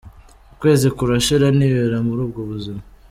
Ukwezi kurashira nibera muri ubwo buzima.